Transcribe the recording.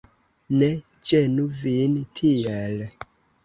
Ne ĝenu vin tiel.